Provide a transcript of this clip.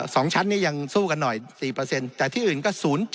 สองชั้นนี้ยังสู้กันหน่อย๔เปอร์เซ็นต์แต่ที่อื่นก็๐๑๒